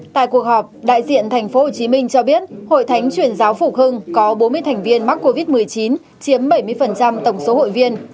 tại cuộc họp đại diện thành phố hồ chí minh cho biết hội thánh chuyển giáo phục hưng có bốn mươi thành viên mắc covid một mươi chín chiếm bảy mươi tổng số hội viên